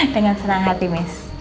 dengan senang hati miss